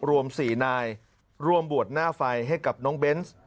รวม๔นายร่วมบวชหน้าไฟให้กับน้องเบนส์